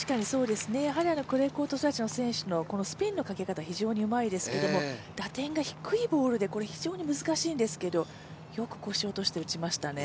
やはりクレーコート育ちの選手たちのスピンのかけ方がとてもうまいんですけど打点が低いボールでこれ非常に難しいんですけどもよく腰を落として打ちましたね。